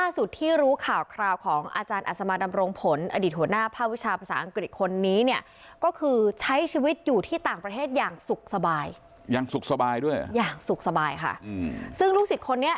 ซึ่งลูกศิษย์คนนี้